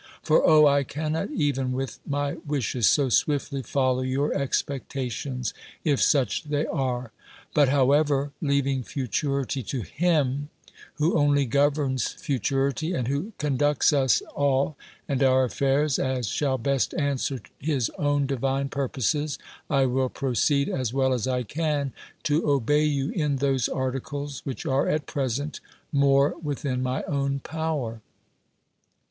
For, O, I cannot even with my wishes, so swiftly follow your expectations, if such they are! But, however, leaving futurity to HIM, who only governs futurity, and who conducts us all, and our affairs, as shall best answer his own divine purposes, I will proceed as well as I can, to obey you in those articles, which are, at present, more within my own power.